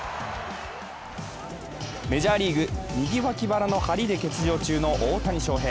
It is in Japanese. メジャーリーグ、右脇腹の張りで欠場中の大谷翔平。